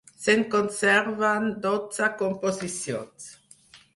Se'n conserven dotze composicions.